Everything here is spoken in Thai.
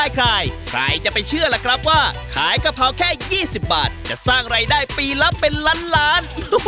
ใครใครจะไปเชื่อล่ะครับว่าขายกะเพราแค่๒๐บาทจะสร้างรายได้ปีละเป็นล้านล้าน